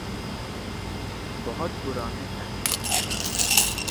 بہت پرانے ہیں۔